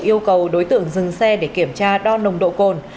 yêu cầu đối tượng dừng xe để kiểm tra đo nồng độ cồn